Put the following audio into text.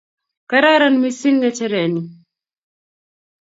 kararan mising ng'echere ni